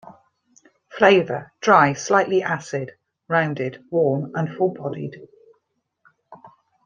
Flavour: dry, slightly acid, rounded, warm and full-bodied.